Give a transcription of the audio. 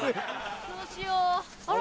・どうしよう・あれ？